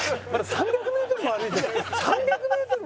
３００メートルも走ってない。